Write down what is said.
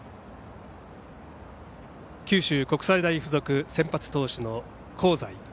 九州国際大付属先発投手の香西。